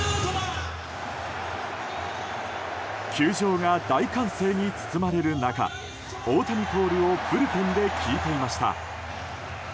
球場が大歓声に包まれる中大谷コールをブルペンで聞いていました。